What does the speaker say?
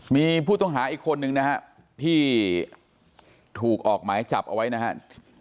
มีผู้ต้องหาอีกคนนึงนะฮะที่ถูกออกหมายจับเอาไว้นะครับ